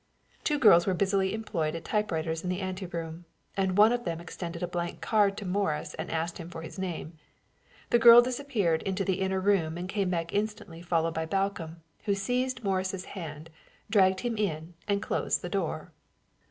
Two girls were busily employed at typewriters in the anteroom, and one of them extended a blank card to Morris and asked him for his name. The girl disappeared into the inner room and came back instantly followed by Balcomb, who seized Morris's hand, dragged him in and closed the door.